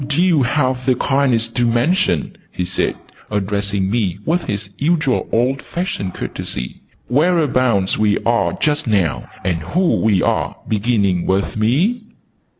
"Would you have the kindness to mention," he said, addressing me with his usual old fashioned courtesy, "whereabouts we are just now and who we are, beginning with me?"